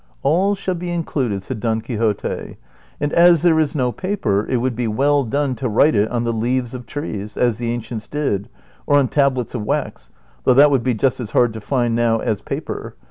'< All shall be included," said Don Quixote ;" and as there is no paper, it would be well done to write it on the leaves of trees, as the ancients did, or on tablets of wax ; though that would be as hard to find just now as paper.